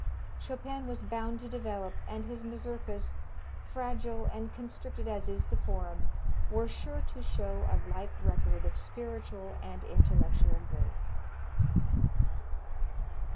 Chopin was bound to develop, and his Mazurkas, fragile and constricted as is the form, were sure to show a like record of spiritual and intellectual growth.